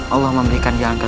allah memberikan jalan ke depan